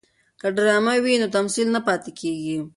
که ډرامه وي نو تمثیل نه پاتې کیږي.